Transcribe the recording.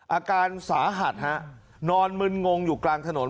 อาการสาหัสฮะนอนมึนงงอยู่กลางถนน